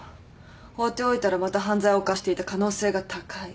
放っておいたらまた犯罪を犯していた可能性が高い。